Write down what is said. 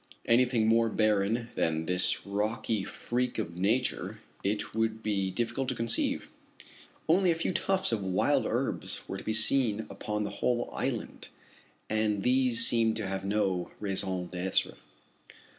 Anything more barren than this rocky freak of nature it would be difficult to conceive. Only a few tufts of wild herbs were to be seen upon the whole island, and these seemed to have no raison d'être.